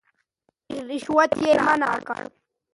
رشوت يې منع کړ.